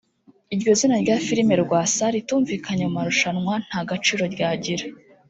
Iryo zina rya filimi (Rwasa) ritumvikanye mu marushanwa nta gaciro ryagira